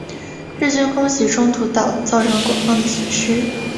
日军空袭中途岛造成了广泛的损失。